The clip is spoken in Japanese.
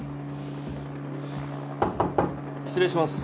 失礼します。